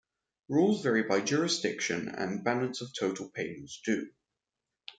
Rules vary by jurisdiction and by balance of total payments due.